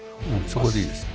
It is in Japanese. そこでいいです。